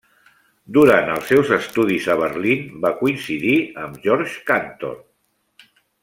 Durant els seus estudis a Berlín va coincidir amb Georg Cantor.